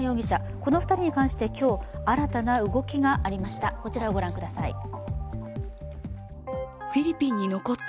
この２人に関して今日、新たな動きがありました。